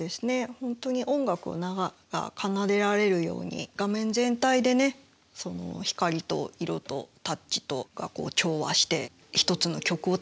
本当に音楽が奏でられるように画面全体でね光と色とタッチとが調和して一つの曲を立ち上げてるようなね